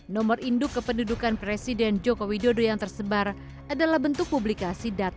nomor induk kependudukan presiden joko widodo yang tersebar adalah bentuk publikasi data